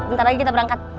bentar lagi kita berangkat